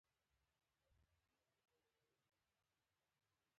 دوی د سیاسي مبارزې په پرتله کمزورې شوي دي